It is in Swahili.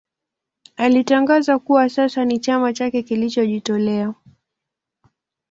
Alitangaza kuwa sasa ni chama chake kilichojitolea